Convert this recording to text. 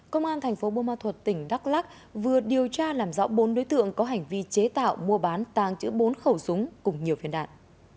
công an thành phố bô ma thuật tỉnh đắk lắc vừa điều tra làm rõ bốn đối tượng có hành vi chế tạo mua bán tàng chữ bốn khẩu súng cùng nhiều phiên đạn